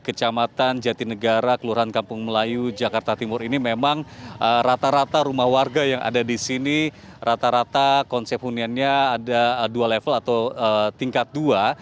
kecamatan jatinegara kelurahan kampung melayu jakarta timur ini memang rata rata rumah warga yang ada di sini rata rata konsep huniannya ada dua level atau tingkat dua